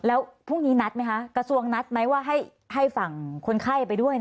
แล้วพรุ่งนี้นัดไหมคะกระทรวงนัดไหมว่าให้ฝั่งคนไข้ไปด้วย